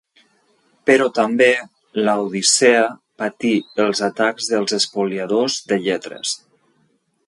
Però també la Odissea patí els atacs dels espoliadors de lletres.